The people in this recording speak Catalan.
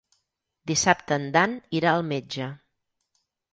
Dissabte en Dan irà al metge.